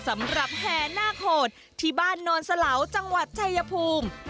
สำหรับแห่นากโหดที่บ้านโนนเสลาจังหวัดชายภูมิ